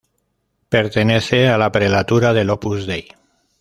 Pertenece a la prelatura del Opus Dei.